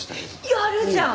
やるじゃん！